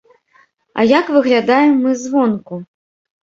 А як выглядаем мы звонку?